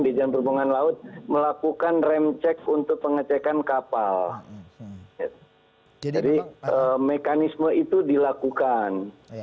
dijan perhubungan laut melakukan rem cek untuk pengecekan kapal jadi mekanisme itu dilakukan